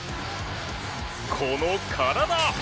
この体！